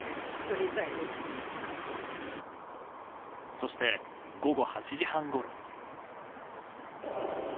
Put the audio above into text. そして、午後８時半ごろ。